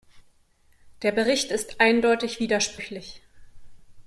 Der Bericht ist eindeutig widersprüchlich.